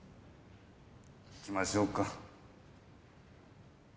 行きましょうか。